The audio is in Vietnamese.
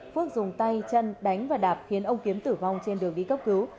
phước dùng tay chân đánh và đạp khiến ông kiếm tử vong trên đường đi cấp cứu